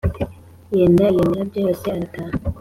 yenda iyo mirabyo yose arataha